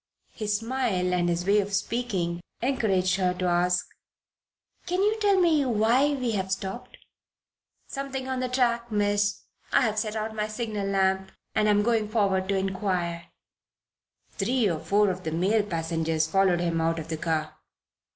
His smile, and his way of speaking, encouraged her to ask: "Can you tell me why we have stopped?" "Something on the track, Miss. I have set out my signal lamp and am going forward to inquire." Three or four of the male passengers followed him out of the car.